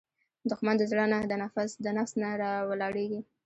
دښمن د زړه نه، د نفس نه راولاړیږي